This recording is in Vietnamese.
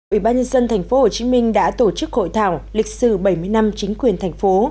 ủy ban nhân dân thành phố hồ chí minh đã tổ chức hội thảo lịch sử bảy mươi năm chính quyền thành phố